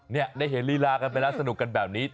นี่ได้เห็นลีลากันไปแล้วสนุกกันแบบนี้